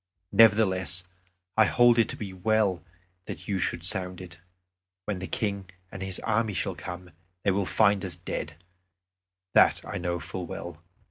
Nevertheless, I hold it to be well that you should sound it. When the King and his army shall come, they will find us dead that I know full well.